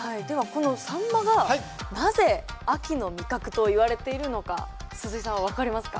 このサンマがなぜ秋の味覚といわれているのか鈴井さん分かりますか？